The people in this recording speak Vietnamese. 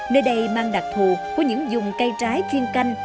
nơi đây mang đặc thù của những dùng cây trái chuyên canh